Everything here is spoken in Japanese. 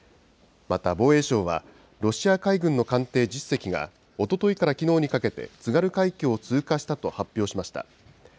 また防衛省は、ロシア海軍の艦艇１０隻が、おとといからきのうにかけて、津軽海峡を通過したと発表しました。